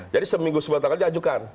jadi seminggu sebelum tanggal dia ajukan